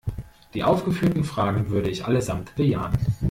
Die aufgeführten Fragen würde ich allesamt bejahen.